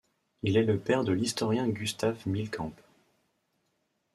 Il est le père de l'historien Gustave Millescamps.